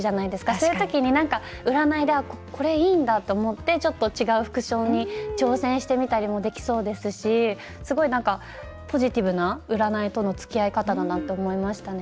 そういう時に占いでこれ、いいんだって思ってちょっと違う服装に挑戦してみたりもできそうですしすごいポジティブな占いとのつきあい方だなと思いましたね。